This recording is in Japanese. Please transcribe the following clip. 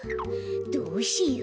どうしよう？